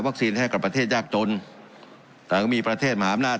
ให้กับประเทศยากจนแต่ก็มีประเทศมหาอำนาจ